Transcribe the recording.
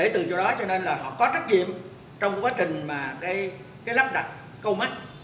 trong quá trình lắp đặt câu mắt